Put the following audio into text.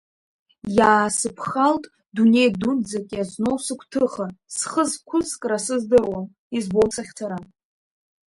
Иаасыԥхалт дунеи дуӡӡак иазноу сыгәҭыха, схы зқәыскра сыздыруам, избом сахьцара.